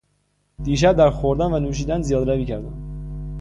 دیشب در خوردن و نوشیدن زیادهروی کردم.